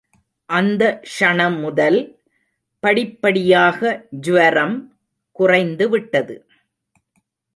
அந்த க்ஷணமுதல் படிப்படியாக ஜ்வரம் குறைந்து விட்டது.